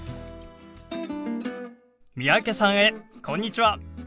三宅さんへこんにちは！